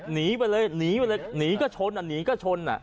หนีไปเลยหนีก็ชน